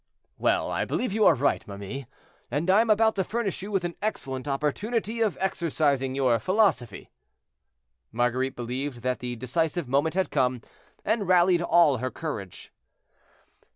"Well, I believe you are right, ma mie, and I am about to furnish you with an excellent opportunity of exercising your philosophy." Marguerite believed that the decisive moment had come, and rallied all her courage.